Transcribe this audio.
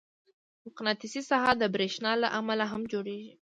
مقناطیسي ساحه د برېښنا له امله هم جوړېږي.